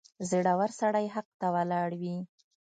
• زړور سړی حق ته ولاړ وي.